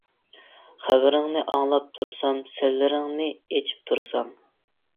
خەۋىرىڭنى ئاڭلاپ تۇرسام، سىرلىرىڭنى ئېچىپ تۇرسام.